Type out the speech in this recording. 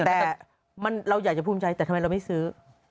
แต่เราอยากจะภูมิใจแต่ทำไมเราไม่ซื้อ